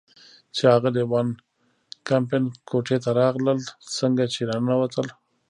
چې اغلې وان کمپن کوټې ته راغلل، څنګه چې را ننوتل.